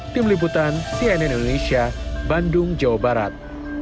tim liputan cnn indonesia bandung jawa barat